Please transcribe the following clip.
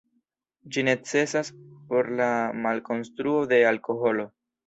Ĝi necesas por la malkonstruo de alkoholo.